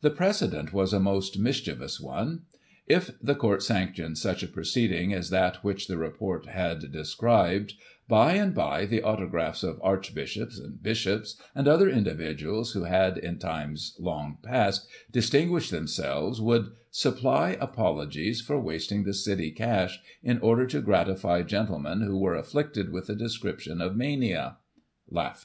The precedent was a most mischievous one. If the Court sanc tioned such a proceeding as that which the report had des cribed, by and by the autographs of archbishops and bishops, and other individuals who had, in times long past, distin guished themselves, would supply apologies for wasting the City cash, in order to gratify gentlemen who were afflicted with that description of mania.